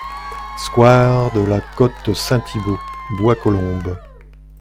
Square de la Côte Saint-Thibault, Bois-Colombes